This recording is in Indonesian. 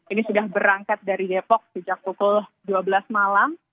ini sudah berangkat dari depok sejak pukul dua belas malam